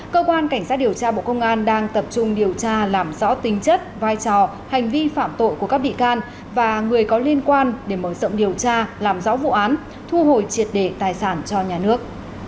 cơ quan cảnh sát điều tra bộ công an đang tập trung điều tra làm rõ tính chất vai trò hành vi phạm tội của các bị can và người có liên quan để mở rộng điều tra làm rõ vụ án thu hồi triệt đề tài sản cho nhà nước